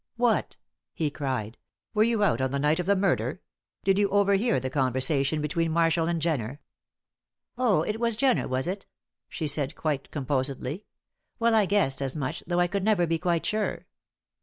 "What!" he cried. "Were you out on the night of the murder? Did you overhear the conversation between Marshall and Jenner?" "Oh, it was Jenner, was it?" she said, quite composedly. "Well, I guessed as much, though I could never be quite sure."